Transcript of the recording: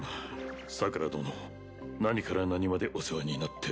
桜殿何から何までお世話になって